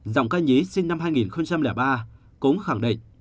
dòng ca nhí sinh năm hai nghìn ba cũng khẳng định